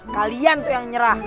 kalian tuh yang nyerah